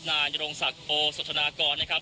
นายนรงศักดิ์โอสธนากรนะครับ